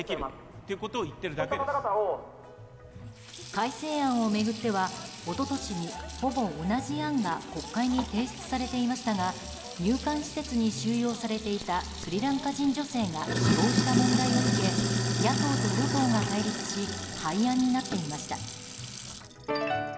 改正案を巡っては、一昨年にほぼ同じ案が国会に提出されていましたが入管施設に収容されていたスリランカ人女性が死亡した問題を受け野党と与党が対立し廃案となっていました。